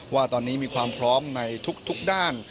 ว่าตอนนี้มีความพร้อมในทุกด้าน